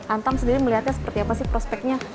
antam sendiri melihatnya seperti apa sih prospeknya